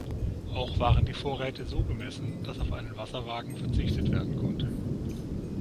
Auch waren die Vorräte so bemessen, dass auf einen Wasserwagen verzichtet werden konnte.